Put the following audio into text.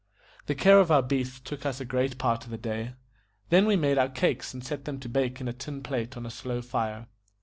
The care of our beasts took us a great part of the day; then we made our cakes and set them to bake in a tin plate on a slow fire.